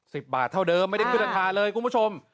สิบบาทเท่าเดิมไม่ได้พิษฐะทาเลยคุณผู้ชม